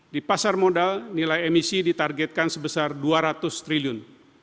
di pasar modal nilai emisi ditargetkan sebesar dua ratus triliun